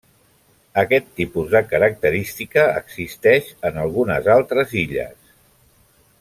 Aquest tipus de característica existeix en algunes altres illes.